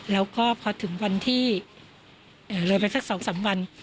แล้วก็พอถึงวันที่เลยไปสัก๒๓วัน